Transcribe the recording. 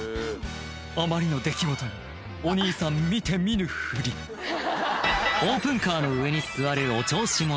あまりの出来事にお兄さん見て見ぬふりオープンカーの上に座るお調子者